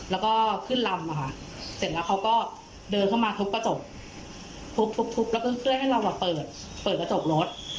แล้วก็ขึ้นลำอะค่ะเสร็จแล้วเขาก็เดินเข้ามาทุบกระจกทุบแล้วก็เพื่อให้เราเปิดเปิดกระจกรถ